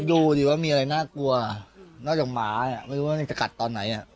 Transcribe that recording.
ดูดิว่ามีอะไรน่ากลัวนอกจากหมาไม่รู้ว่าจะกัดตอนไหน